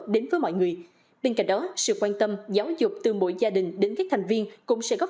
đến với mọi người bên cạnh đó sự quan tâm giáo dục từ mỗi gia đình đến các thành viên cũng sẽ góp